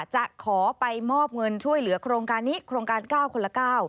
จะขอไปมอบเงินช่วยเหลือโครงการนี้โครงการ๙คนละ๙